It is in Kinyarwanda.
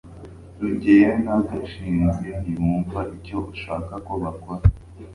rugeyo na gashinzi ntibumva icyo ushaka ko bakora